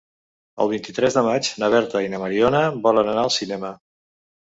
El vint-i-tres de maig na Berta i na Mariona volen anar al cinema.